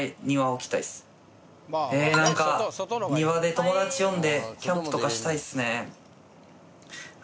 え何か庭で友達呼んでキャンプとかしたいっすね。